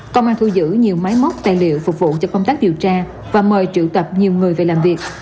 công an thu giữ nhiều máy móc tài liệu phục vụ cho công tác điều tra và mời triệu tập nhiều người về làm việc